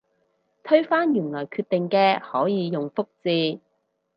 推翻原來決定嘅可以用覆字